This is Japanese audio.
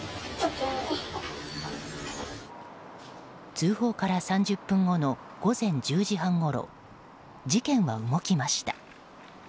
通報から３０分後の午前１０時半ごろ事件は動きました。